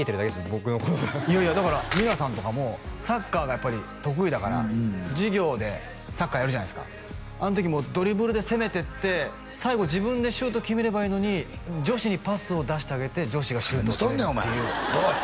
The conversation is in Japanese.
僕のことがいやいやだからみなさんとかもサッカーがやっぱり得意だから授業でサッカーやるじゃないですかあの時もドリブルで攻めてって最後自分でシュート決めればいいのに女子にパスを出してあげて女子がシュート決めるっていう何しとんねんお前おい！